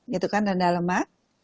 gitu kan rendah lemak